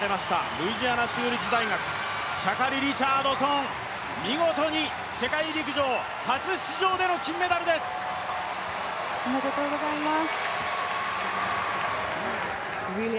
ルイジアナ州立大学、シャカリ・リチャードソン、見事に世界陸上初出場での金メダルです。おめでとうございます。